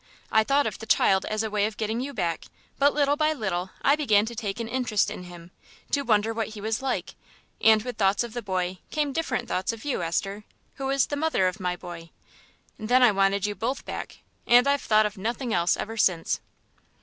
I thought of the child as a way of getting you back; but little by little I began to take an interest in him, to wonder what he was like, and with thoughts of the boy came different thoughts of you, Esther, who is the mother of my boy. Then I wanted you both back; and I've thought of nothing else ever since."